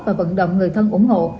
và vận động người thân ủng hộ